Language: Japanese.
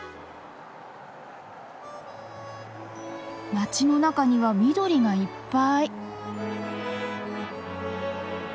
街の中には緑がいっぱい！